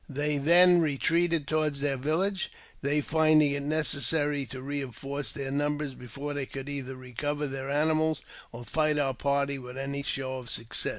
They then retreated toward their village, they finding it necessary to re enforce their numbers before they could either recover their animals or fight our party with any show of success.